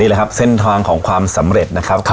นี่แหละครับเส้นทางของความสำเร็จนะครับครับ